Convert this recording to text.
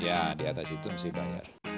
ya di atas itu mesti bayar